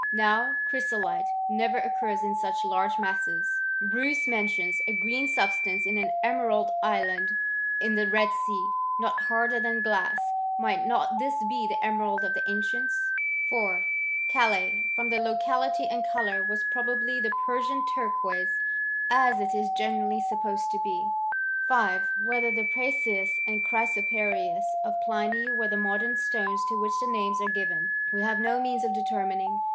Now chrysolite never occurs in such large masses. Bmce mentions a green substance in an emerald island in the Red Sea, not harder than glass. Might not this be the emerald of the ancients ? 4. Calais y from the locality and colour was pro bably the Persian turquoise, as it is generally sup posed to be. 5. Whether the prasius and chrysoprasius of Pliny were the modern stones to which these names are given, we have no means of determining.